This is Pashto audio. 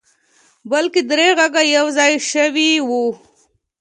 بلکې درې غږه يو ځای شوي وو.